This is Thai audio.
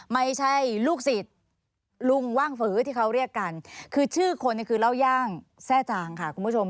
ไม่ใช่ลูกศิษย์ลุงว่างฝือที่เขาเรียกกันคือชื่อคนเนี่ยคือเล่าย่างแทร่จางค่ะคุณผู้ชม